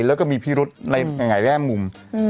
ไปแล้วก็มีพิรุษไหนแร่มมุม